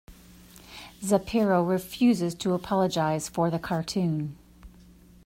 Zapiro refuses to apologise for the cartoon.